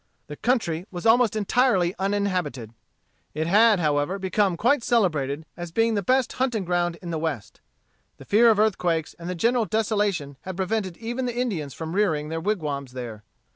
The country was almost entirely uninhabited. It had, however, become quite celebrated as being the best hunting ground in the West. The fear of earthquakes and the general desolation had prevented even the Indians from rearing their wigwams there.